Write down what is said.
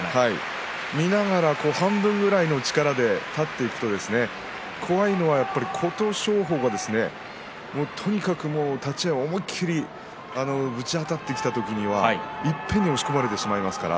見ながら半分ぐらいの力で立っていくと、怖いのは琴勝峰はとにかく立ち合い思い切りぶちあたってきた時にはいっぺんに押し込まれてしまいますからね